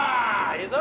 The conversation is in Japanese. いいぞ！